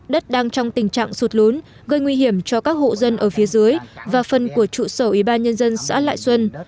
đất đang trong tình trạng sụt lún gây nguy hiểm cho các hộ dân ở phía dưới và phần của trụ sở ủy ban nhân dân xã lại xuân